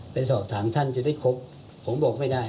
ไปสอบถามท่านจะได้ครบผมบอกไม่ได้